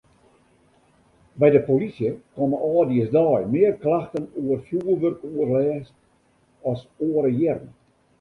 By de polysje komme âldjiersdei mear klachten oer fjoerwurkoerlêst as oare jierren.